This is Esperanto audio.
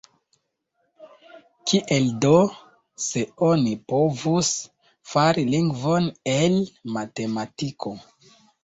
Kiel do, se oni povus fari lingvon el matematiko?